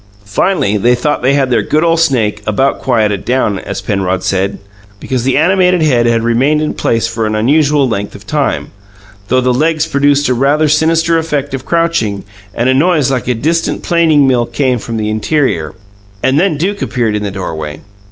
Finally, they thought they had their good ole snake "about quieted down", as Penrod said, because the animated head had remained in one place for an unusual length of time, though the legs produced a rather sinister effect of crouching, and a noise like a distant planing mill came from the interior and then Duke appeared in the doorway.